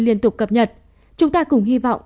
liên tục cập nhật chúng ta cùng hy vọng